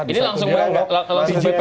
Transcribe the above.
ini langsung berlaku